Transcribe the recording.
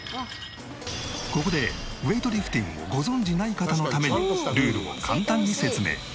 ここでウエイトリフティングをご存じない方のためにルールを簡単に説明。